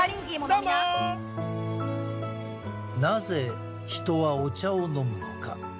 なぜ人はお茶を飲むのか？